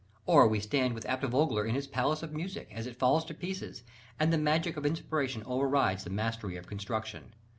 Or we stand with Abt Vogler in his "palace of music" as it falls to pieces, and the magic of inspiration over rides the mastery of construction.